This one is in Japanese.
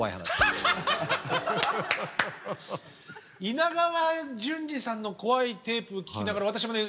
稲川淳二さんの怖いテープを聴きながら私もね